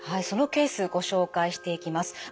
そのケースご紹介していきます。